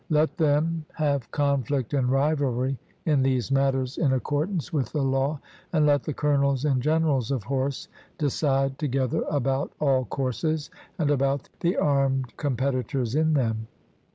Let them have conflict and rivalry in these matters in accordance with the law, and let the colonels and generals of horse decide together about all courses and about the armed competitors in them.